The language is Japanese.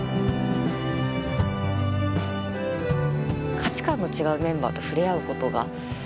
価値観の違うメンバーと触れ合うことができました。